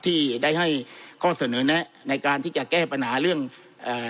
ที่ได้ให้ข้อเสนอแนะในการที่จะแก้ปัญหาเรื่องเอ่อ